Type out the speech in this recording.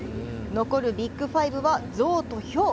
残るビッグ５はゾウとヒョウ。